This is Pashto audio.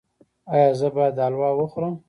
ایا زه باید حلوا وخورم؟